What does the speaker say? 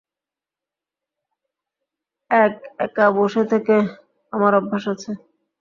এক-একা বসে থেকে আমার অভ্যাস আছে।